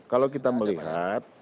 kalau kita melihat